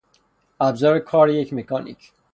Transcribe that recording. ابزار کار یک مکانیک